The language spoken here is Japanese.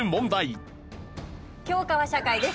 教科は社会です。